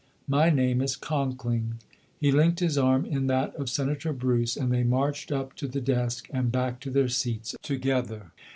My name is Conkling". He linked his arm in that of Senator Bruce and they marched up to the desk and back to their seats together.